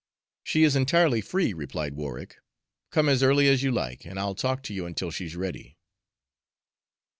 "She is entirely free," replied Warwick. "Come as early as you like, and I'll talk to you until she's ready."